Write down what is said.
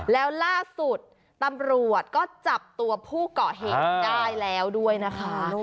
แล้วล่าสุดตำรวจก็จับตัวผู้เกาะเหตุได้แล้วด้วยนะคะ